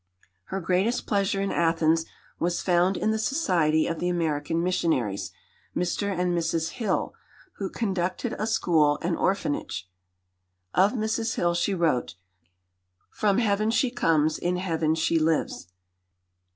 Her greatest pleasure in Athens was found in the society of the American missionaries, Mr. and Mrs. Hill, who conducted a school and orphanage. Of Mrs. Hill she wrote, "From heaven she comes, in heaven she lives."